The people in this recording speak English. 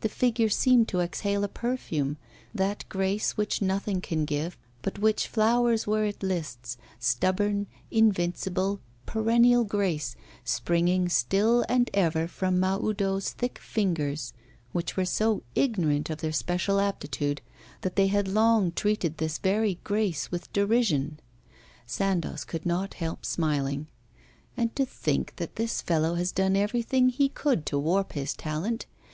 The figure seemed to exhale a perfume, that grace which nothing can give, but which flowers where it lists, stubborn, invincible, perennial grace, springing still and ever from Mahoudeau's thick fingers, which were so ignorant of their special aptitude that they had long treated this very grace with derision. Sandoz could not help smiling. 'And to think that this fellow has done everything he could to warp his talent.